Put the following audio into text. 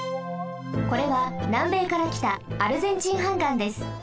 これはなんべいからきたアルゼンチン斑岩です。